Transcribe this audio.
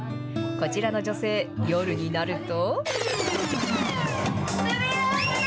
こちらの女性、夜になると。